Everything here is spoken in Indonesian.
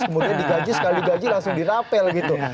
kemudian digaji sekali gaji langsung dirapel gitu